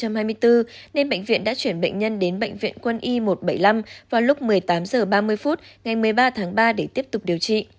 nên bệnh viện đã chuyển bệnh nhân đến bệnh viện quân y một trăm bảy mươi năm vào lúc một mươi tám h ba mươi phút ngày một mươi ba tháng ba để tiếp tục điều trị